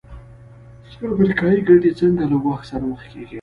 چې امریکایي ګټې څنګه له ګواښ سره مخ کېږي.